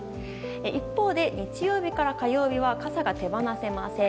一方で、日曜日から火曜日は傘が手放せません。